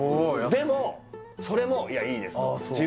でもそれも「いやいいです」